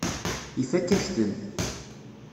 Ifakk-ak-ten.